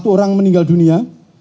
satu orang meninggal dunia